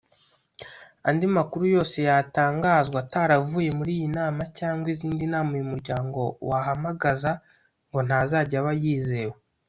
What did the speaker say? Andi makuru yose yatangazwa ataravuye muri iyi nama cyangwa izindi nama uyu muryango wahamagaza ngo ntazajya aba yizewe